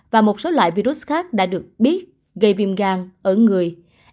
và một số loại virus khác đã được biết gây viêm gan ở người